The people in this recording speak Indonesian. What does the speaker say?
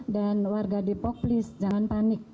dan warga depok please jangan panik